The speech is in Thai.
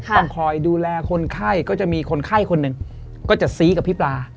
ต้องคอยดูแลคนไข้ก็จะมีคนไข้คนหนึ่งก็จะซี้กับพี่ปลา